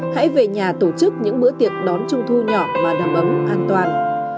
hãy về nhà tổ chức những bữa tiệc đón trung thu nhỏ và đầm ấm an toàn